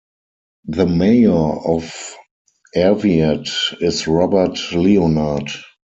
The mayor of Arviat is Robert Leonard.